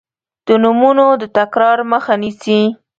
د نومونو د تکرار مخه نیسي.